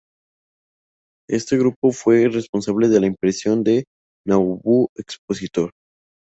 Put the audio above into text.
Este grupo fue el responsable de la impresión del Nauvoo Expositor.